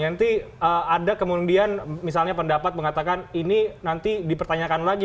nanti ada kemudian misalnya pendapat mengatakan ini nanti dipertanyakan lagi